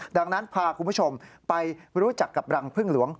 ดังนั้นพาคุณผู้ชมไปรู้จักกับรังพึ่งหลวง